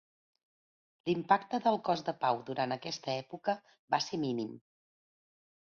L'impacte del Cos de Pau durant aquesta època va ser mínim.